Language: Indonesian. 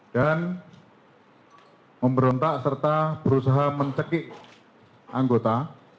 dan memberontak serta berusaha mencekik anggota